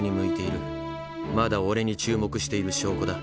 まだオレに注目している証拠だ。